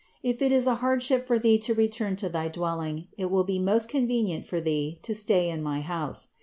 If it is a hardship for Thee to return to thy dwelling, it will be most convenient for Thee to stay in my house.